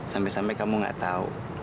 sampe sampe kamu gak tau